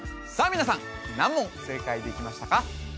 皆さん何問正解できましたか？